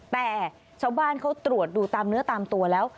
แต่ชาวบ้านเขาตรวจดูตามเนื้อตามตัวแล้ว